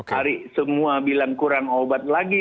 hari semua bilang kurang obat lagi